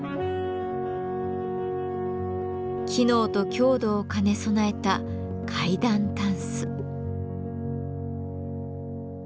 機能と強度を兼ね備えた階段たんす。